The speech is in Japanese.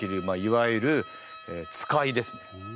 まあいわゆる使いですね。